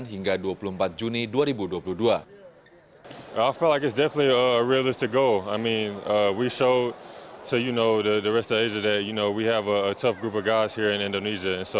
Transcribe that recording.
hingga dua puluh empat juni dua ribu dua puluh dua